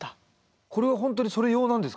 これは本当にそれ用なんですか？